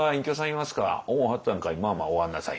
「おお八っつぁんかいまあまあお上がんなさい」。